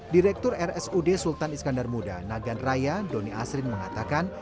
direktur rsud sultan iskandar muda nagan raya doni asrin mengatakan